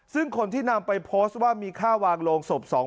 ซึ่งคนที่นำไปโพสต์ว่ามีค่าวางโรงศพ